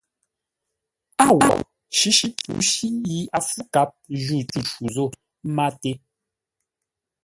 Â wo! Shíshí pǔshí yi a fǔ kap jǔ tû shû zô máté.